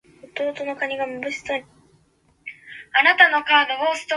最悪な環境